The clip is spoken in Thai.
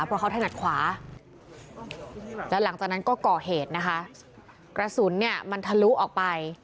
เพราะเขาถนัดขวาแล้วหลังจากนั้นก็ก่อเหตุนะคะกระสุนเนี่ยมันทะลุออกไป